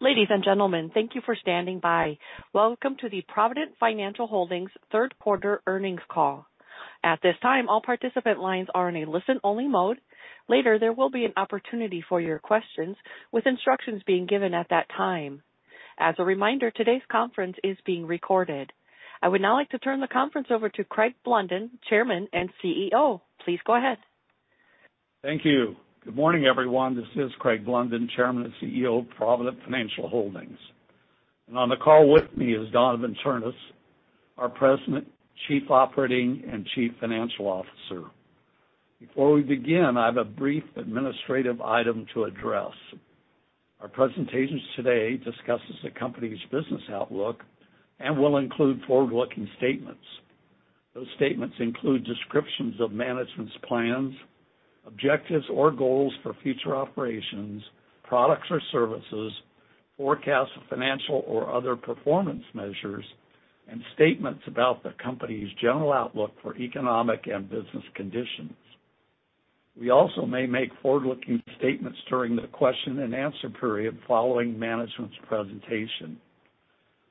Ladies and gentlemen, thank you for standing by. Welcome to the Provident Financial Holdings third quarter earnings call. At this time, all participant lines are in a listen-only mode. Later, there will be an opportunity for your questions, with instructions being given at that time. As a reminder, today's conference is being recorded. I would now like to turn the conference over to Craig Blunden, Chairman and CEO. Please go ahead. Thank you. Good morning, everyone. This is Craig Blunden, Chairman and CEO of Provident Financial Holdings. On the call with me is Donavon Ternes, our President, Chief Operating, and Chief Financial Officer. Before we begin, I have a brief administrative item to address. Our presentations today discusses the company's business outlook and will include forward-looking statements. Those statements include descriptions of management's plans, objectives or goals for future operations, products or services, forecasts of financial or other performance measures, and statements about the company's general outlook for economic and business conditions. We also may make forward-looking statements during the question and answer period following management's presentation.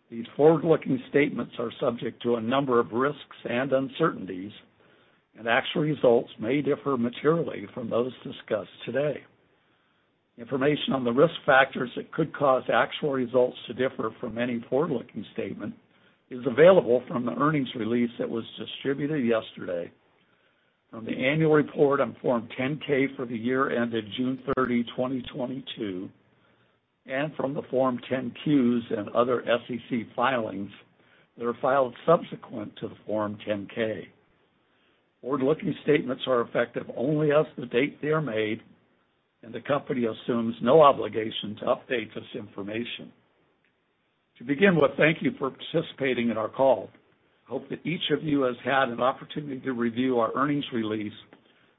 These forward-looking statements are subject to a number of risks and uncertainties, and actual results may differ materially from those discussed today. Information on the risk factors that could cause actual results to differ from any forward-looking statement is available from the earnings release that was distributed yesterday, from the annual report on Form 10-K for the year ended June 30, 2022, and from the Form 10-Qs and other SEC filings that are filed subsequent to the Form 10-K. Forward-looking statements are effective only as the date they are made, and the company assumes no obligation to update this information. To begin with, thank you for participating in our call. I hope that each of you has had an opportunity to review our earnings release,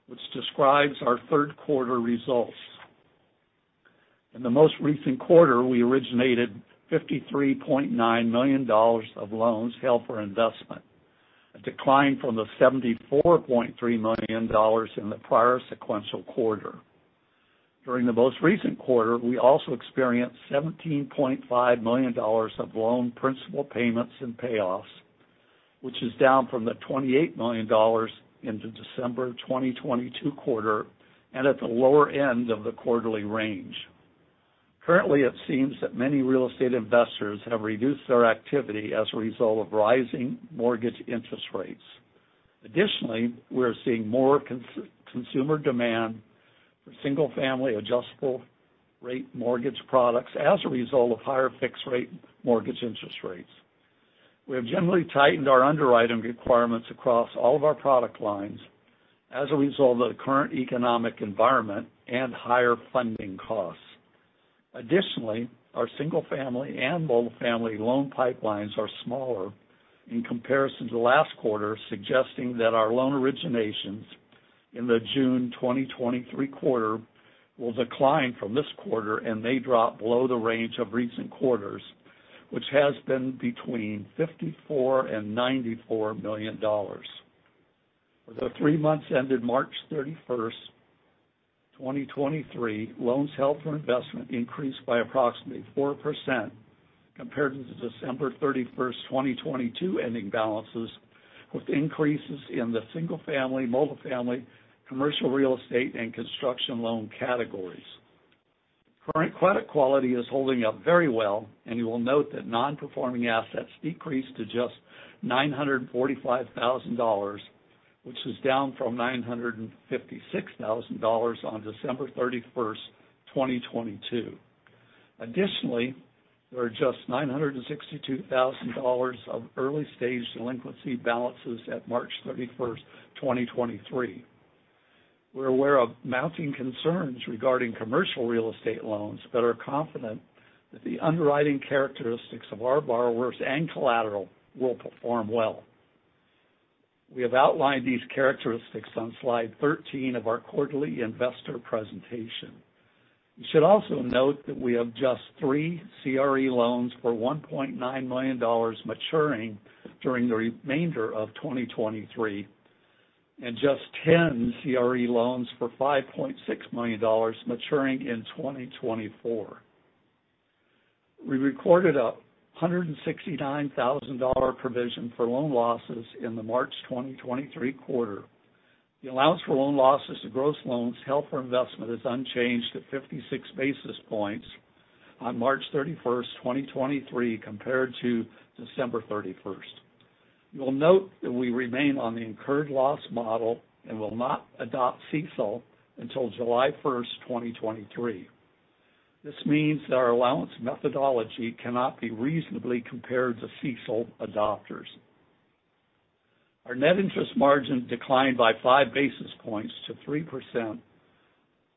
which describes our third quarter results. In the most recent quarter, we originated $53.9 million of loans held for investment, a decline from the $74.3 million in the prior sequential quarter. During the most recent quarter, we also experienced $17.5 million of loan principal payments and payoffs, which is down from the $28 million in the December 2022 quarter and at the lower end of the quarterly range. Currently, it seems that many real estate investors have reduced their activity as a result of rising mortgage interest rates. We are seeing more consumer demand for single family adjustable-rate mortgage products as a result of higher fixed rate mortgage interest rates. We have generally tightened our underwriting requirements across all of our product lines as a result of the current economic environment and higher funding costs. Additionally, our single family and multifamily loan pipelines are smaller in comparison to last quarter, suggesting that our loan originations in the June 2023 quarter will decline from this quarter and may drop below the range of recent quarters, which has been between $54 million and $94 million. For the three months ended March 31st, 2023, loans held for investment increased by approximately 4% compared to the December 31st, 2022 ending balances, with increases in the single family, multifamily, commercial real estate, and construction loan categories. Current credit quality is holding up very well, and you will note that non-performing assets decreased to just $945,000, which was down from $956,000 on December 31st, 2022. Additionally, there are just $962,000 of early-stage delinquency balances at March 31st, 2023. We're aware of mounting concerns regarding commercial real estate loans but are confident that the underwriting characteristics of our borrowers and collateral will perform well. We have outlined these characteristics on slide 13 of our quarterly investor presentation. You should also note that we have just three CRE loans for $1.9 million maturing during the remainder of 2023 and just 10 CRE loans for $5.6 million maturing in 2024. We recorded a $169,000 provision for loan losses in the March 2023 quarter. The allowance for loan losses to gross loans held for investment is unchanged at 56 basis points on March 31st, 2023 compared to December 31st. You will note that we remain on the incurred loss model and will not adopt CECL until July 1st, 2023. This means that our allowance methodology cannot be reasonably compared to CECL adopters. Our net interest margin declined by 5 basis points to 3%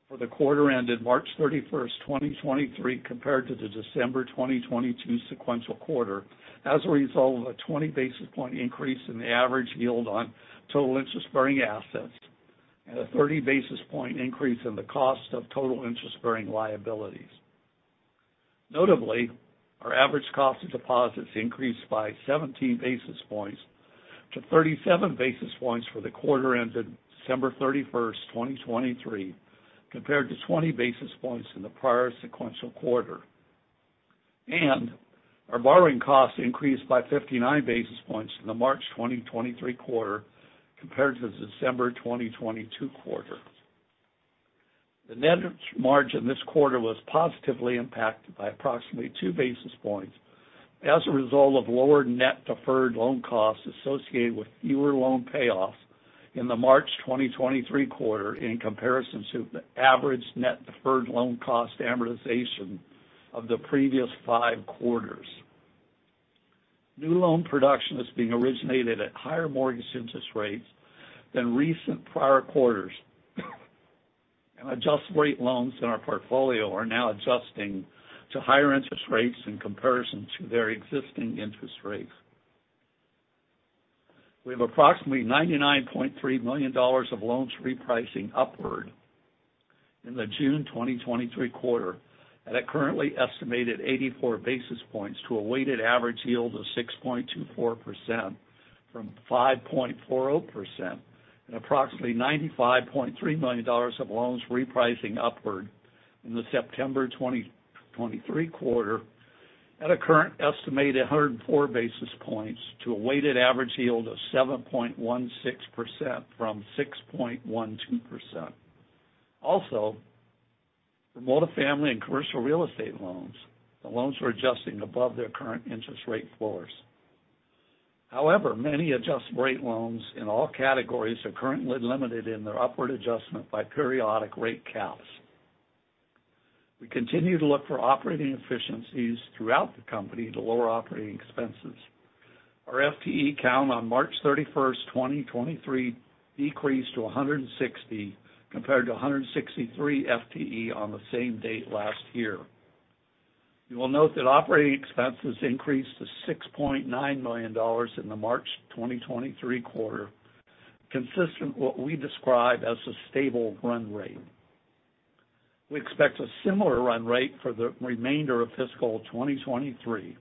for the quarter ended March 31st, 2023 compared to the December 2022 sequential quarter as a result of a 20 basis point increase in the average yield on total interest-bearing assets and a 30 basis point increase in the cost of total interest-bearing liabilities. Notably, our average cost of deposits increased by 17 basis points to 37 basis points for the quarter ended December 31st, 2023, compared to 20 basis points in the prior sequential quarter. Our borrowing costs increased by 59 basis points in the March 2023 quarter compared to the December 2022 quarter. The net interest margin this quarter was positively impacted by approximately 2 basis points as a result of lower net deferred loan costs associated with fewer loan payoffs in the March 2023 quarter in comparison to the average net deferred loan cost amortization of the previous five quarters. New loan production is being originated at higher mortgage interest rates than recent prior quarters, and adjustable-rate loans in our portfolio are now adjusting to higher interest rates in comparison to their existing interest rates. We have approximately $99.3 million of loans repricing upward in the June 2023 quarter at a currently estimated 84 basis points to a weighted average yield of 6.24% from 5.40% and approximately $95.3 million of loans repricing upward in the September 2023 quarter at a current estimated 104 basis points to a weighted average yield of 7.16% from 6.12%. For multifamily and commercial real estate loans, the loans are adjusting above their current interest rate floors. However, many adjust rate loans in all categories are currently limited in their upward adjustment by periodic rate caps. We continue to look for operating efficiencies throughout the company to lower operating expenses. Our FTE count on March 31st, 2023, decreased to 160 compared to 163 FTE on the same date last year. You will note that operating expenses increased to $6.9 million in the March 2023 quarter, consistent with what we describe as a stable run rate. We expect a similar run rate for the remainder of fiscal 2023,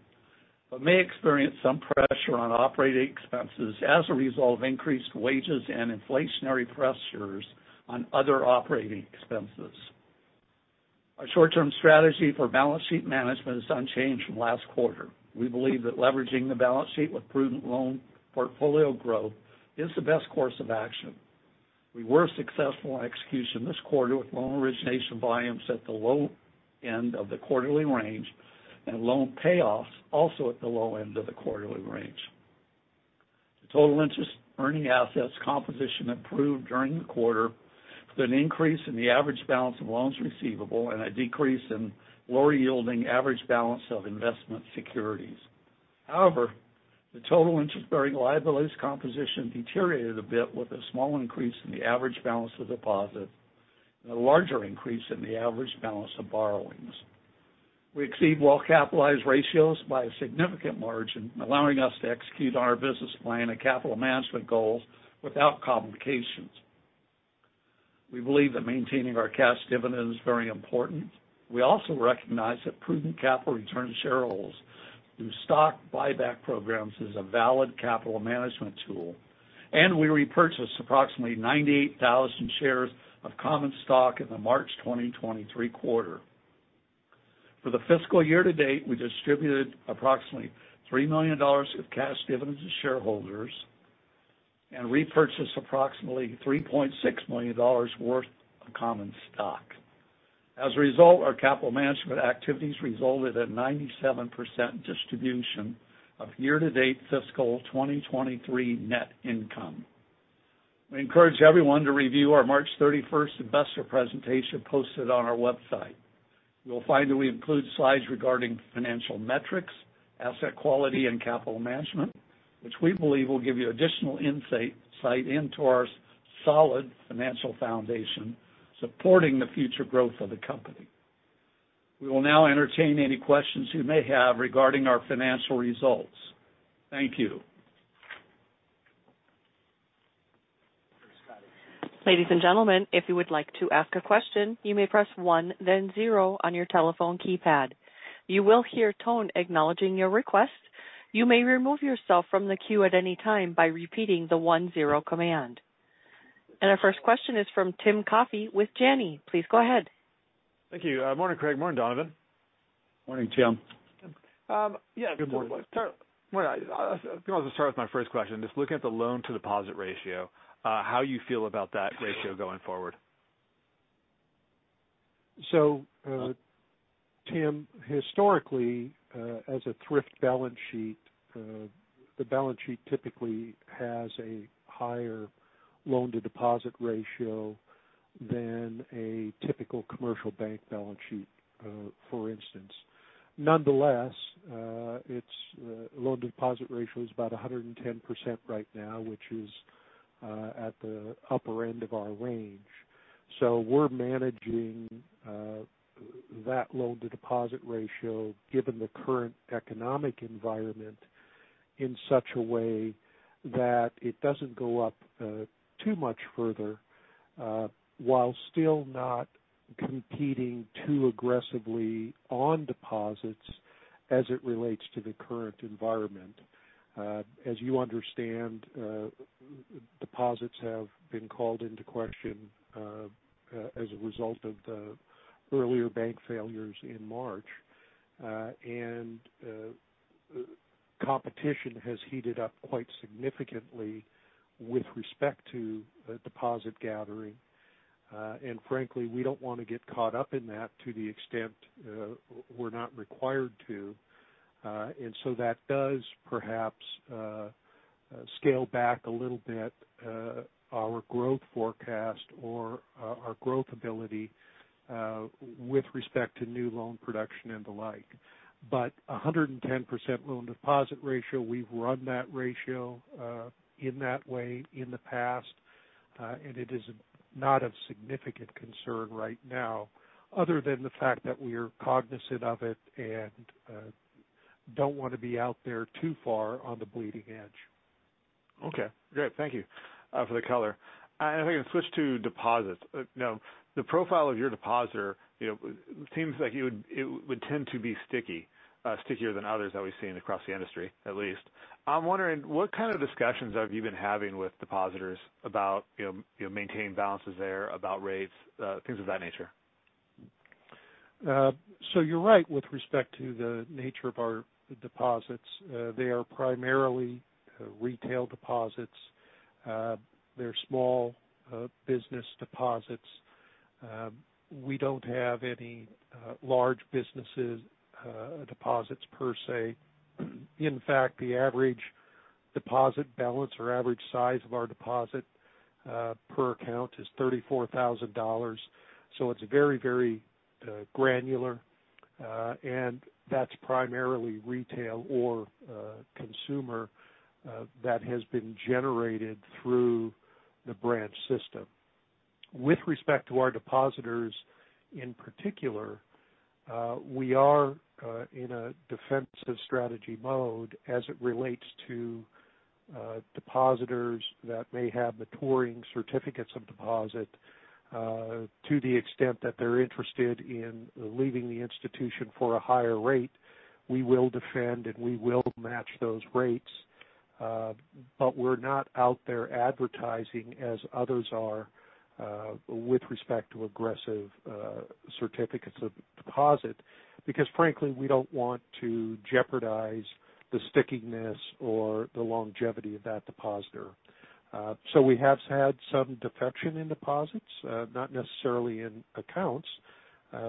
may experience some pressure on operating expenses as a result of increased wages and inflationary pressures on other operating expenses. Our short-term strategy for balance sheet management is unchanged from last quarter. We believe that leveraging the balance sheet with prudent loan portfolio growth is the best course of action. We were successful in execution this quarter with loan origination volumes at the low end of the quarterly range and loan payoffs also at the low end of the quarterly range. The total interest earning assets composition improved during the quarter with an increase in the average balance of loans receivable and a decrease in lower yielding average balance of investment securities. The total interest-bearing liabilities composition deteriorated a bit with a small increase in the average balance of deposit and a larger increase in the average balance of borrowings. We exceed well-capitalized ratios by a significant margin, allowing us to execute on our business plan and capital management goals without complications. We believe that maintaining our cash dividend is very important. We also recognize that prudent capital return to shareholders through stock buyback programs is a valid capital management tool, and we repurchased approximately 98,000 shares of common stock in the March 2023 quarter. For the fiscal year to date, we distributed approximately $3 million of cash dividends to shareholders and repurchased approximately $3.6 million worth of common stock. As a result, our capital management activities resulted in 97% distribution of year-to-date fiscal 2023 net income. We encourage everyone to review our March thirty-first investor presentation posted on our website. You'll find that we include slides regarding financial metrics, asset quality, and capital management, which we believe will give you additional insight into our solid financial foundation supporting the future growth of the company. We will now entertain any questions you may have regarding our financial results. Thank you. Ladies and gentlemen, if you would like to ask a question, you may press one then zero on your telephone keypad. You will hear a tone acknowledging your request. You may remove yourself from the queue at any time by repeating the one zero command. Our first question is from Tim Coffey with Janney. Please go ahead. Thank you. Morning, Craig. Morning, Donavon. Morning, Tim. Yeah. Good morning. Well, I'm going to start with my first question. Just looking at the loan-to-deposit ratio, how you feel about that ratio going forward? Tim, historically, as a thrift balance sheet, the balance sheet typically has a higher loan-to-deposit ratio than a typical commercial bank balance sheet, for instance. Nonetheless, its loan-to-deposit ratio is about 110% right now, which is at the upper end of our range. We're managing that loan-to-deposit ratio, given the current economic environment, in such a way that it doesn't go up too much further. While still not competing too aggressively on deposits as it relates to the current environment. As you understand, deposits have been called into question, as a result of the earlier bank failures in March. Competition has heated up quite significantly with respect to deposit gathering. Frankly, we don't wanna get caught up in that to the extent, we're not required to. That does perhaps scale back a little bit our growth forecast or our growth ability with respect to new loan production and the like. 110% loan-to-deposit ratio, we've run that ratio in that way in the past, and it is not of significant concern right now other than the fact that we are cognizant of it and don't wanna be out there too far on the bleeding edge. Okay. Great. Thank you for the color. If I can switch to deposits. Now, the profile of your depositor, you know, seems like it would tend to be sticky, stickier than others that we've seen across the industry, at least. I'm wondering, what kind of discussions have you been having with depositors about, you know, maintaining balances there, about rates, things of that nature? You're right with respect to the nature of our deposits. They are primarily retail deposits. They're small business deposits. We don't have any large businesses deposits per se. In fact, the average deposit balance or average size of our deposit per account is $34,000. It's very, very granular. That's primarily retail or consumer that has been generated through the branch system. With respect to our depositors in particular, we are in a defensive strategy mode as it relates to depositors that may have maturing certificates of deposit. To the extent that they're interested in leaving the institution for a higher rate, we will defend and we will match those rates. We're not out there advertising as others are with respect to aggressive certificates of deposit. Because frankly, we don't want to jeopardize the stickiness or the longevity of that depositor. We have had some defection in deposits, not necessarily in accounts,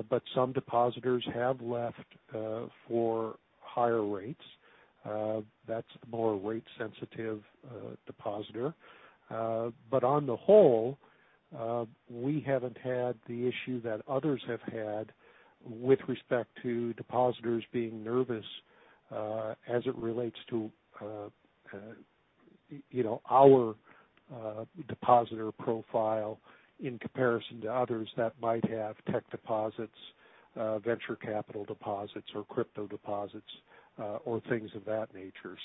but some depositors have left for higher rates. That's the more rate sensitive depositor. On the whole, we haven't had the issue that others have had with respect to depositors being nervous as it relates to, you know, our depositor profile in comparison to others that might have tech deposits, venture capital deposits or crypto deposits or things of that nature.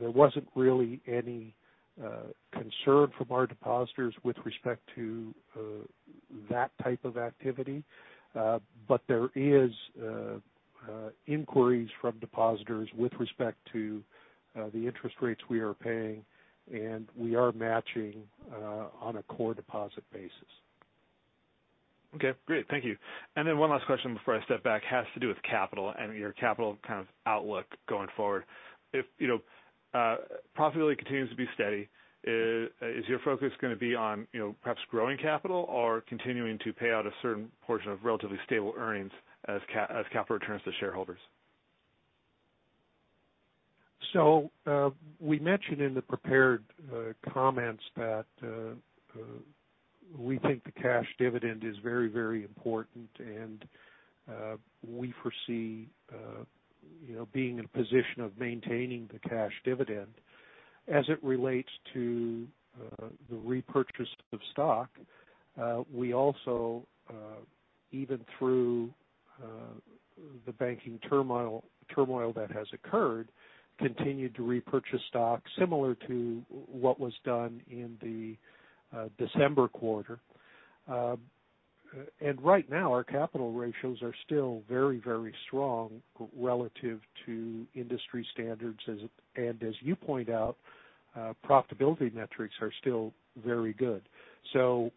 There wasn't really any concern from our depositors with respect to that type of activity. There is inquiries from depositors with respect to the interest rates we are paying, and we are matching on a core deposit basis. Okay. Great. Thank you. One last question before I step back, has to do with capital and your capital kind of outlook going forward. If, you know, profitability continues to be steady, is your focus gonna be on, you know, perhaps growing capital or continuing to pay out a certain portion of relatively stable earnings as capital returns to shareholders? We mentioned in the prepared comments that we think the cash dividend is very, very important, and we foresee, you know, being in a position of maintaining the cash dividend. As it relates to the repurchase of stock, we also, even through the banking turmoil that has occurred, continued to repurchase stocks similar to what was done in the December quarter. And right now, our capital ratios are still very, very strong relative to industry standards. And as you point out, profitability metrics are still very good.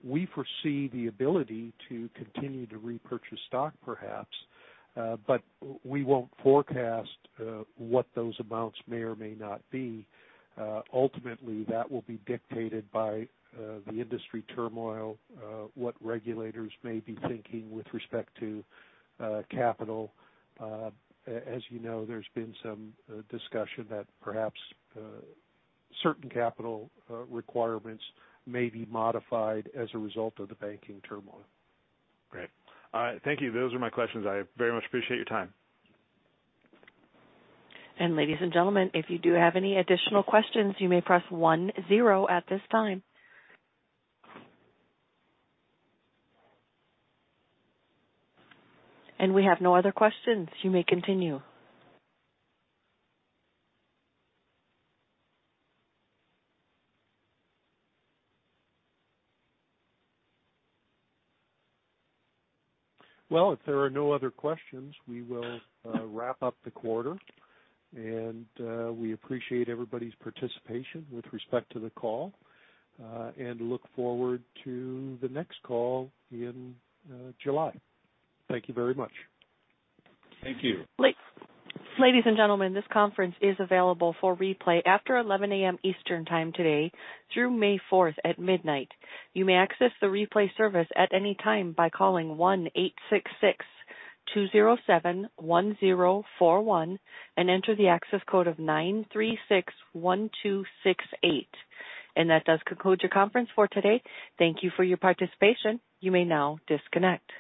We foresee the ability to continue to repurchase stock perhaps. But we won't forecast what those amounts may or may not be. Ultimately, that will be dictated by the industry turmoil, what regulators may be thinking with respect to capital. As you know, there's been some discussion that perhaps certain capital requirements may be modified as a result of the banking turmoil. Great. All right. Thank you. Those are my questions. I very much appreciate your time. Ladies and gentlemen, if you do have any additional questions, you may press one zero at this time. We have no other questions. You may continue. Well, if there are no other questions, we will wrap up the quarter. We appreciate everybody's participation with respect to the call, and look forward to the next call in July. Thank you very much. Thank you. Ladies and gentlemen, this conference is available for replay after 11:00 A.M. Eastern time today through May 4th at midnight. You may access the replay service at any time by calling 1-866-207-1041 and enter the access code of 9361268. That does conclude your conference for today. Thank you for your participation. You may now disconnect.